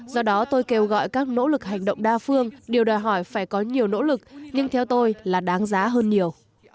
do đó tôi kêu gọi các nỗ lực hành động đa phương điều đòi hỏi phải có nhiều nỗ lực nhưng theo tôi là đáng giá hơn nhiều